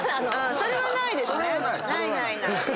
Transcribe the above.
それはないですね。